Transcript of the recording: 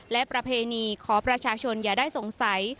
และประเพณีขอประชาชนอย่าได้สงสัย